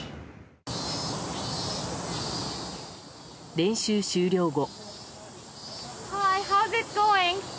練習終了後。